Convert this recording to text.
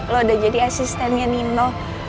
lo udah jadi asistennya nino